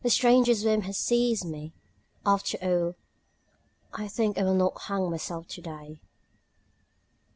The strangest whim has seized me ... After all I think I will not hang myself today.